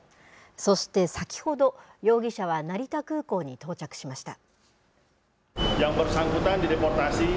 そして先ほど、容疑者は成田空港に到着しました。